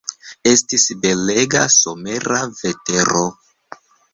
Estis belega, somera vetero.